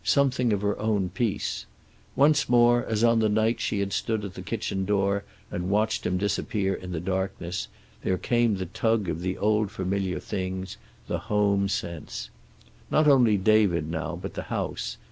Something of her own peace. Once more, as on the night she had stood at the kitchen door and watched him disappear in the darkness, there came the tug of the old familiar things, the home sense. Not only David now, but the house.